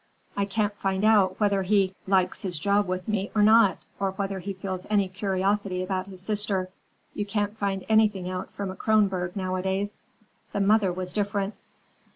I can't find out whether he likes his job with me or not, or whether he feels any curiosity about his sister. You can't find anything out from a Kronborg nowadays. The mother was different."